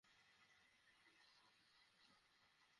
তার ব্যাপারে কেউ কোনো কথাও বলেনি আমার সাথে।